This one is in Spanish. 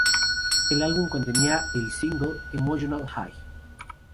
El álbum contenía el single "Emotional High".